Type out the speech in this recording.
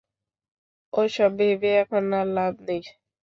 ওসব ভেবে এখন আর লাভ নেই।